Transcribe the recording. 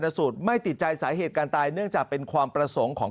สูตรไม่ติดใจสาเหตุการตายเนื่องจากเป็นความประสงค์ของ